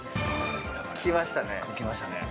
きましたね。